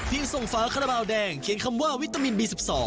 ยังส่งฝาคาราบาลแดงเขียนคำว่าวิตามินบี๑๒